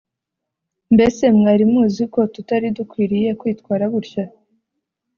mbese mwari muziko tutari dukwiriye kwitwara gutya